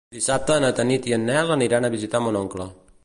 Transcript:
Dissabte na Tanit i en Nel aniran a visitar mon oncle.